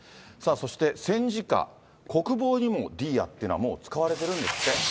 そして戦時下、国防にもディーアというのはもう使われているんですって。